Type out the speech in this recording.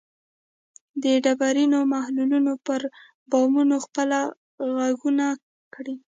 د ډبرینو محلونو پر بامونو خپل ږغونه کري